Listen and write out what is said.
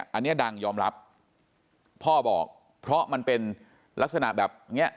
อันนี้ดังยอมรับพ่อบอกเพราะมันเป็นลักษณะแบบเนี้ย